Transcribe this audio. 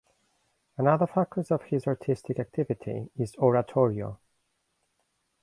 Another focus of his artistic activity is oratorio.